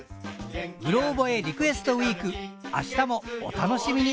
「うろ覚えリクエストＷＥＥＫ」明日もお楽しみに！